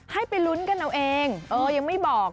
ให้ไปลุ้นกันเอาเองยังไม่บอก